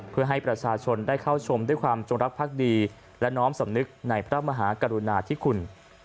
เพื่อให้ประชาชนได้เข้าชมด้วยความจงรักภักดีและน้อมสำนึกในพระมหากรุณาธิคุณ